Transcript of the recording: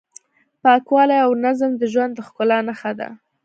پاکوالی او نظم د ژوند د ښکلا نښه ده.